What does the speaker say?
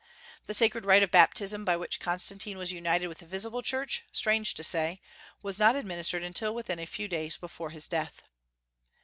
The sacred rite of baptism by which Constantine was united with the visible Church, strange to say, was not administered until within a few days before his death.